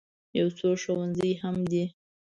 یو څو ښوونځي هم دي.